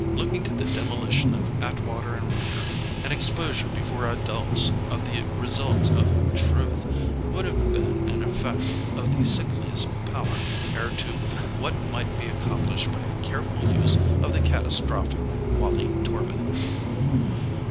Looking to the demolition of Atwater & Rooter, an exposure before adults of the results of "Truth" would have been an effect of the sickliest pallor compared to what might be accomplished by a careful use of the catastrophic Wallie Torbin.